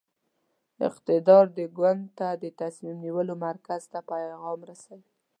د اقدار د کونډې ته د تصمیم نیولو مرکز ته پیغام رسوي.